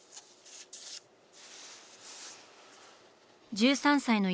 １３歳の乾